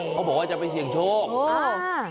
เขาบอกว่าจะไปเสี่ยงโชค